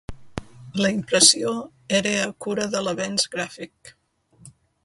La impressió era a cura de l'Avenç Gràfic.